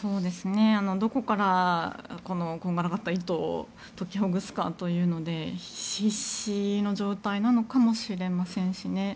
どこからこんがらがった糸を解きほぐすかというので必死の状態なのかもしれませんしね。